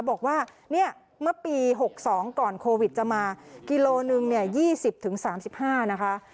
บอกว่าเนี่ยเมื่อปี๖๒ก่อนโควิดจะมากิโลหนึ่ง๒๐๓๕นะคะ